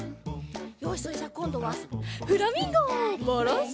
よしそれじゃこんどはフラミンゴバランス。